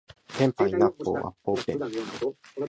ペンパイナッポーアッポーペン